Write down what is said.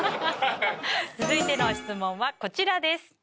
続いての質問はこちらです。